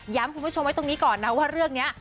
คุณผู้ชมไว้ตรงนี้ก่อนนะว่าเรื่องนี้